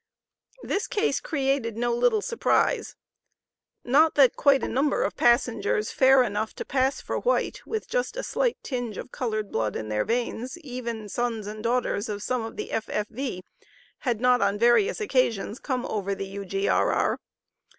This case created no little surprise. Not that quite a number of passengers, fair enough to pass for white, with just a slight tinge of colored blood in their veins, even sons and daughters of some of the F.F.V., had not on various occasions come over the U.G.R.R.